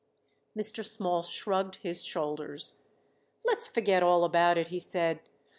Mr. Small shrugged his shoulders. "Let's forget all about it," he said.